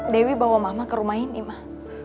dewi bawa mama ke rumah ini mah